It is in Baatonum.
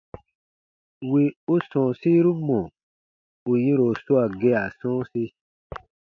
Wì u sɔ̃ɔsiru mɔ̀ ù yɛ̃ro swaa gea sɔ̃ɔsi.